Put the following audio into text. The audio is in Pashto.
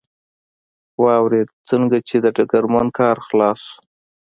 واورېد، څنګه چې د ډګرمن کار خلاص شو.